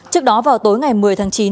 trước đó vào tối ngày một mươi tháng chín